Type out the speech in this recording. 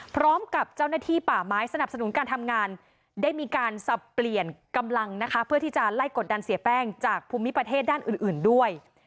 พร้อมกับเจ้าหน้าที่ป่าไม้สนับสนุนการทำงานได้มีการสับเปลี่ยนกำลังนะคะเพื่อที่จะไล่กดดันเสียแป้งจากภูมิประเทศด้านอื่นด้วย